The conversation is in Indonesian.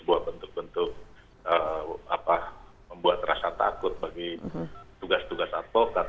sebuah bentuk bentuk membuat rasa takut bagi tugas tugas advokat